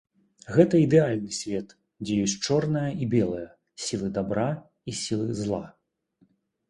Гэта ідэальны свет, дзе ёсць чорнае і белае, сілы дабра і сілы зла.